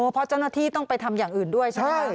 เพราะเจ้าหน้าที่ต้องไปทำอย่างอื่นด้วยใช่ไหม